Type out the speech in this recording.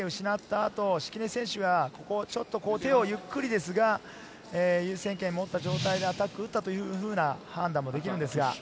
あと敷根選手は、ここ、ちょっと手をゆっくりですが、優先権を持った状態でアタック打ったというふうな判断もできます。